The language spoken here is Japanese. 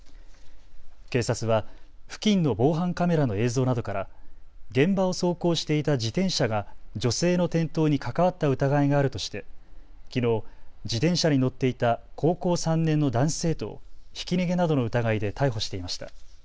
警察は付近の防犯カメラの映像などから現場を走行していた自転車が女性の転倒に関わった疑いがあるとしてきのう自転車に乗っていた高校３年の男子生徒をひき逃げなどの疑いで逮捕していました。